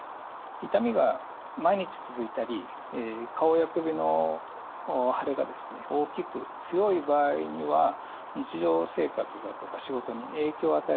痛みが毎日続いたり顔や首の腫れが大きく強い場合には日常生活だとか仕事に影響を与えることになりますね。